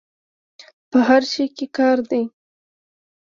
په هر شي دي کار دی.